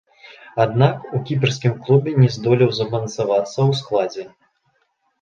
Аднак, у кіпрскім клубе не здолеў замацавацца ў складзе.